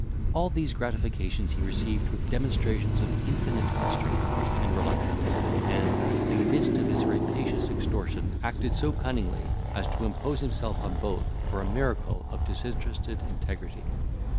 All these gratifications he received with demonstrations of infinite constraint and reluctance, and, in the midst of his rapacious extortion, acted so cunningly as to impose himself upon both for a miracle of disinterested integrity.